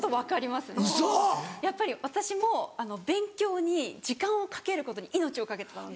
やっぱり私も勉強に時間をかけることに命を懸けてたので。